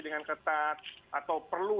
dengan ketat atau perlu